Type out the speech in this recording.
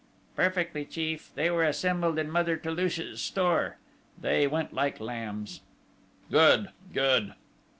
"Perfectly, chief. They were assembled in Mother Toulouche's store. They went like lambs." "Good!... Good!"